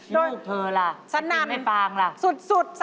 นี่เธอล่ะไม่ได้ยินไม่ฟังล่ะฉะนั้นสุด